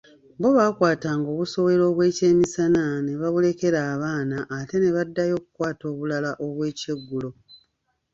Bo baakwatanga obusowera obwekyemisana ne babulekera abaana ate ne baddayo okukwata obulala obw’ekyeggulo.